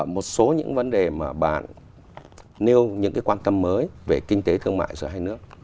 một số những vấn đề mà bạn nêu những cái quan tâm mới về kinh tế thương mại giữa hai nước